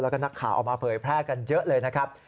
แล้วก็นักข่าวเอามาเผยแพร่กันเยอะเลยนะครับ